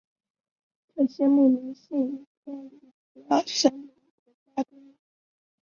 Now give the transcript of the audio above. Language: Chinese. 这些牧民现已迁离吉尔森林国家公园。